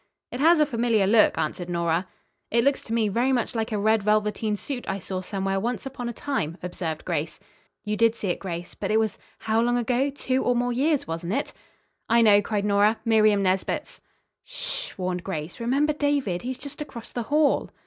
"It has a familiar look," answered Nora. "It looks to me very much like a red velveteen suit I saw somewhere once upon a time," observed Grace. "You did see it, Grace. But it was how long ago? Two or more years, wasn't it?" "I know," cried Nora. "Miriam Nesbit's!" "Sh h h!" warned Grace. "Remember David. He's just across the hall."